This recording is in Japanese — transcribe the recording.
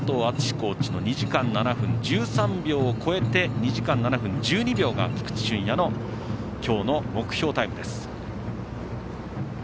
コーチの２時間７分１３秒を超えて、２時間７分１２秒が菊地駿弥の今日の目標タイムです。